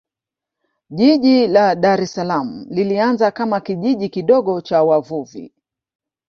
Jiji la Dar es Salaam lilianza kama Kijiji kidogo cha wavuvi